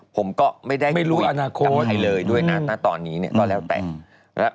ผมก็ไม่ได้คุยกับใครเลยด้วยนะตอนนี้เนี่ยต่อแล้วแต่ไม่รู้อนาคต